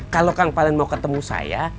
kalau kang paling mau ketemu saya